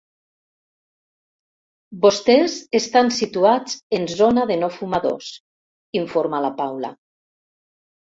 Vostès estan situats en zona de no fumadors –informa la Paula.